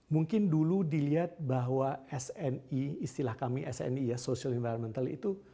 mungkin dulu dilihat bahwa sni istilah kami sni ya social environmental itu